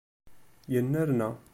Yennerna.